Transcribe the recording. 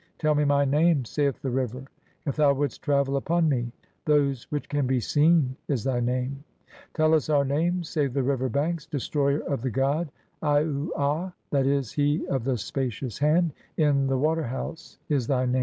"Tell me my name," saith the River, "if thou wouldst travel "upon me"; "Those which can be seen" is thy name. "Tell us our name," say the River Banks ; "Destroyer of the "god (29) Au a (;'. e., he of the spacious hand) in the water "house" is thy name.